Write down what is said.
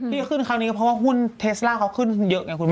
ที่ขึ้นคราวนี้ก็เพราะว่าหุ้นเทสล่าเขาขึ้นเยอะไงคุณแม่